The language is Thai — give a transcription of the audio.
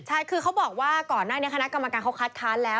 ใช่คือเขาบอกว่าก่อนหน้านี้คณะกรรมการเขาคัดค้านแล้ว